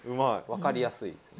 分かりやすいです。